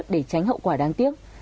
để tránh hậu quả đáng tiếc